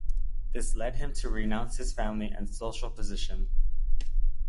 This led him to renounce his family and social position.